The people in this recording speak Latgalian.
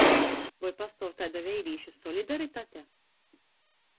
Voi pastuov taida veirīšu solidaritate?